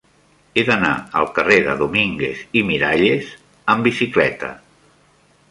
He d'anar al carrer de Domínguez i Miralles amb bicicleta.